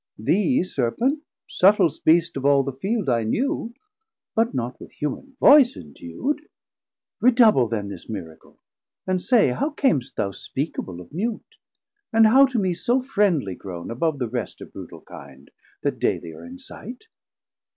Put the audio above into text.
Thee, Serpent, suttlest beast of all the field 560 I knew, but not with human voice endu'd; Redouble then this miracle, and say, How cam'st thou speakable of mute, and how To me so friendly grown above the rest Of brutal kind, that daily are in sight?